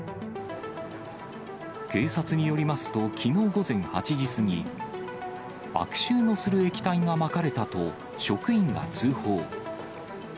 警察によりますと、きのう午前８時過ぎ、悪臭のする液体がまかれたと職員が通報。